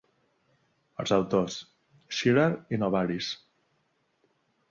Els autors: Schiller i Novalis.